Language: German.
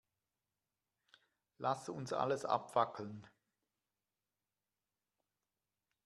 Lass uns alles abfackeln.